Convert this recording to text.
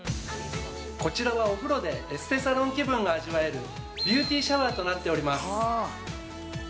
こちらは、お風呂でエステサロン気分が味わえるビューティーシャワーとなっております。